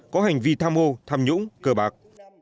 có hành vi tham hồ tham nhũng cờ bạc